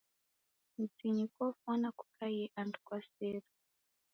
Mzinyi kofwana kukaie andu kwa sere.